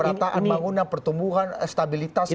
pemberataan bangunan pertumbuhan stabilitas keamanan